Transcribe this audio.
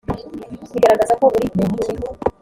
bigaragaza ko uri muntu ki